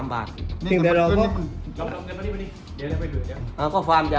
ความต์จะจะเปิดเข้ามา